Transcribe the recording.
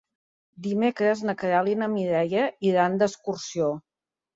Dimecres na Queralt i na Mireia iran d'excursió.